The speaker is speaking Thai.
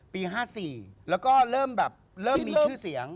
ปี๕๔แล้วก็เริ่มแบบเริ่มมีชื่อเสียง